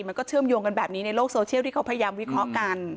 มันก็เชื่อมโยงกันแบบนี้ในโลกโซเชียลที่เขาพยายามวิเคราะห์กัน